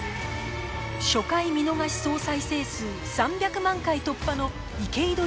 初回見逃し総再生数３００万回突破の池井戸